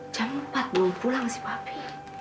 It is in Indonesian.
jam empat belum pulang sih papi